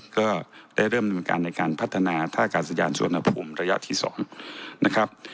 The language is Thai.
ก็ได้เริ่มบริการในการพัฒนาท่าการสะยานสุรรณภูมิระยะที่๒นะครับ